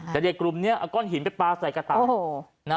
แต่เด็กกลุ่มนี้เอาก้อนหินไปปลาใส่กระต่าย